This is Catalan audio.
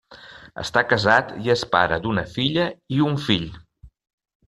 Està casat i és pare d'una filla i un fill.